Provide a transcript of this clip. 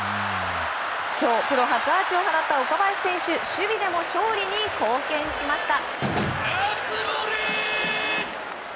今日プロ初アーチを放った岡林選手守備でも勝利に貢献しました。